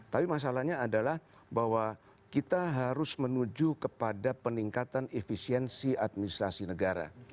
tapi masalahnya adalah bahwa kita harus menuju kepada peningkatan efisiensi administrasi negara